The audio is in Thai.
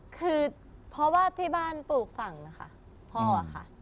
คือเพราะว่าที่บ้านปลูกฝั่งนะคะพ่อค่ะ